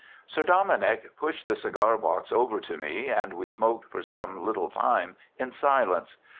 Sir Dominick pushed the cigar box over to me, and we smoked for some little time in silence.